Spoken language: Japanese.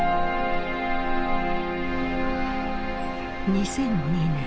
２００２年。